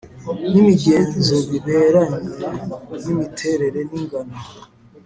N imigenzo biberanye n imiterere n ingano